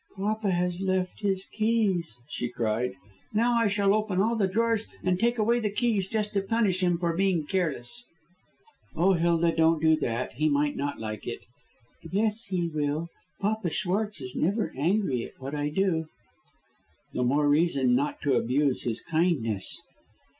"Papa has left his keys," she cried. "Now, I shall open all the drawers and take away the keys, just to punish him for being careless." "Oh, Hilda, don't do that. He might not like it." "Yes, he will. Papa Schwartz is never angry at what I do." "The more reason not to abuse his kindness."